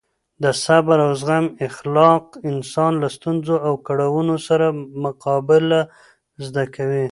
د صبر او زغم اخلاق انسان له ستونزو او کړاوونو سره مقابله زده کوي.